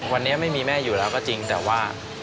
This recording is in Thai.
วันนี้ไม่มีแม่อยู่แล้วก็จริงแต่ว่า